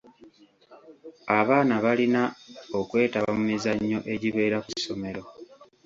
Abaana balina okwetaba mu mizannyo egibeera ku ssomero.